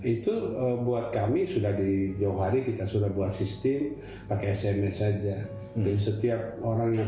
itu buat kami sudah di jauh hari kita sudah buat sistem pakai sms saja dan setiap orang yang